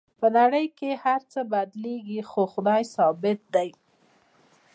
په نړۍ کې هر څه بدلیږي خو خدای ثابت دی